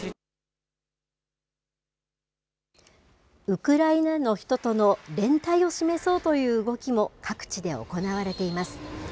ウクライナの人との連帯を示そうという動きも各地で行われています。